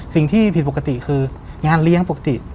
สิ่งที่ผิดปกติคืองานเลี้ยงปกติ